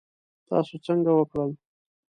تاسو څنګه وکړل؟